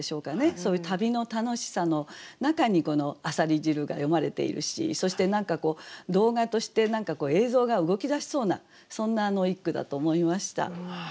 そういう旅の楽しさの中にこの「浅蜊汁」が詠まれているしそして何かこう動画として映像が動き出しそうなそんな一句だと思いました。